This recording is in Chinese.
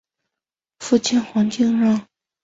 父亲黄敬让。